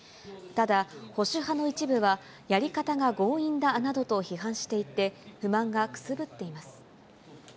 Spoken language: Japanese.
ただ、保守派の一部はやり方が強引だなどと批判していて、不満がくすぶっています。